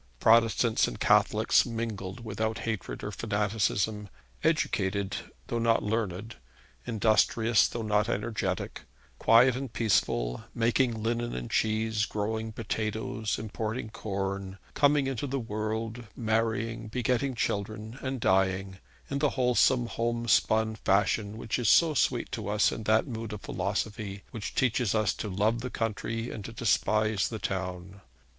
Protestants and Catholics mingled without hatred or fanaticism, educated though not learned, industrious though not energetic, quiet and peaceful, making linen and cheese, growing potatoes, importing corn, coming into the world, marrying, begetting children, and dying in the wholesome homespun fashion which is so sweet to us in that mood of philosophy which teaches us to love the country and to despise the town.